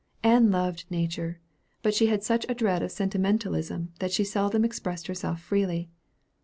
Ann loved nature; but she had such a dread of sentimentalism that she seldom expressed herself freely.